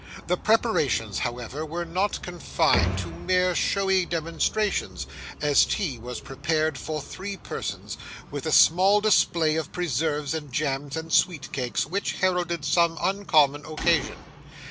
The preparations, however, were not confined to mere showy demonstrations, as tea was prepared for three persons, with a small display of preserves and jams and sweet cakes, which heralded some uncommon occasion.